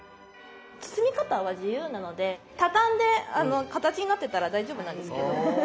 包み方は自由なので畳んで形になってたら大丈夫なんですけど。